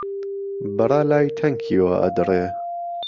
بهڕه لای تهنکیهوه ئهدڕێ